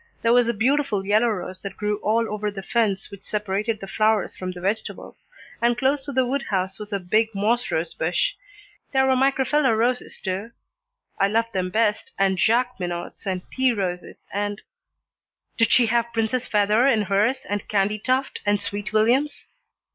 There was a beautiful yellow rose that grew all over the fence which separated the flowers from the vegetables, and close to the wood house was a big moss rose bush. There were Micrafella roses, too. I loved them best, and Jacqueminots, and tea roses, and " "Did she have princess feather in hers, and candytuft, and sweet williams?"